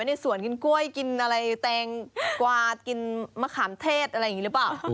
พอปล่อยไว้ในสวนกินกล้วยกินอะไรแตงกวามะขามเทศอะไรแบบนี้หรือเปล่า